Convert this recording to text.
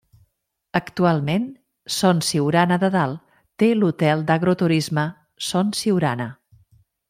Actualment Son Siurana de Dalt té l'hotel d'agroturisme Son Siurana.